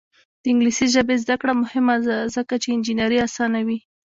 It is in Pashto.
د انګلیسي ژبې زده کړه مهمه ده ځکه چې انجینري اسانوي.